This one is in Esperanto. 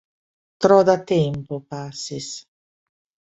Tro da tempo pasis